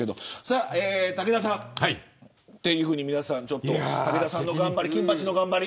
武田さん。というふうにみなさん金八の頑張り。